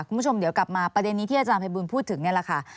คุณผู้ชมเดี๋ยวกลับมาประเด็นนี้ที่อาจารย์ภัยบูลพูดถึงนี่แหละค่ะ